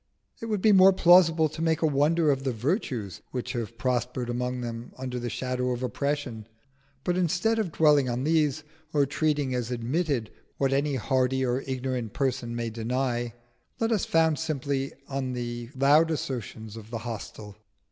It would be more plausible to make a wonder of the virtues which have prospered among them under the shadow of oppression. But instead of dwelling on these, or treating as admitted what any hardy or ignorant person may deny, let us found simply on the loud assertions of the hostile.